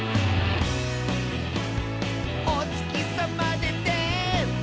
「おつきさまでて」